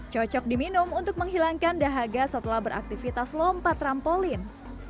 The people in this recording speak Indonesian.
cocok diminum untuk menghilangkan dahaga setelah beraktivitas lompat trampolin